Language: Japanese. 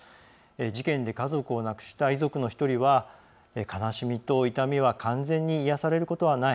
事件で家族を亡くした遺族の１人は悲しみと痛みは完全に癒やされることはない。